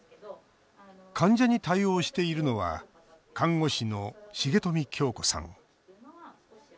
患者に対応しているのは看護師の重冨杏子さん